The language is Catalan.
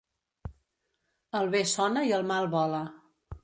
El bé sona i el mal vola.